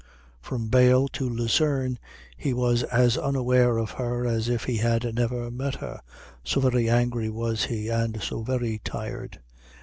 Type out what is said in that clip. From Bâle to Lucerne he was as unaware of her as if he had never met her, so very angry was he and so very tired.